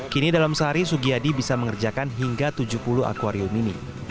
kini dalam sehari sugiyadi bisa mengerjakan hingga tujuh puluh akwarium ini